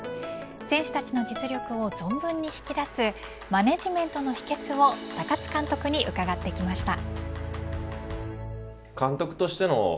選手たちの実力を存分に引き出すマネジメントの秘けつを高津監督に伺ってきました。